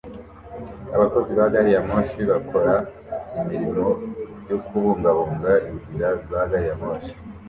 Abakozi ba gari ya moshi bakora imirimo yo kubungabunga inzira za gari ya moshi